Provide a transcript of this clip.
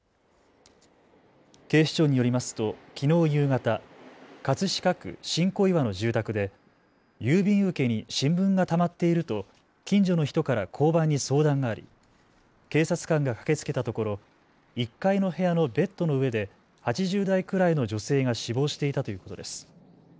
警視庁によりますときのう夕方、葛飾区新小岩の住宅で郵便受けに新聞がたまっていると近所の人から交番に相談があり警察官が駆けつけたところ、１階の部屋のベッドの上で８０代くらいの女性が死亡していたということです。